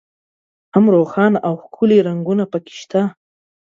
هم روښانه او ښکلي رنګونه په کې شته.